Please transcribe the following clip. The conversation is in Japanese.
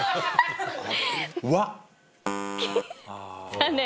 残念。